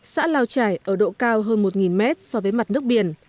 xã lao trải ở độ cao hơn một mét so với mặt nước biển